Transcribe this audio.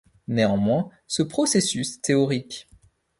Néanmoins, ce processus est théorique.